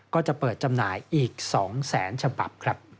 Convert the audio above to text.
ก็จะเปิดจำหน่ายอีก๒แสนฉบับครับ